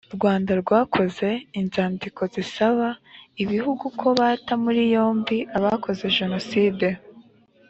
rwanda rwatanze inzandiko zisaba ibihugu ko bata muri yombi abakoze jenocide